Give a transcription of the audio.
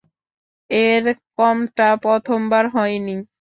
এরকমটা প্রথমবার হয়নি।